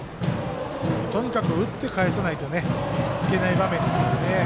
とにかく打って返さないといけない場面ですから。